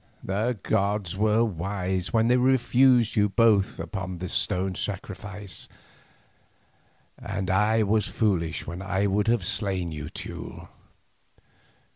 "The gods were wise when they refused you both upon the stone of sacrifice, and I was foolish when I would have slain you, Teule.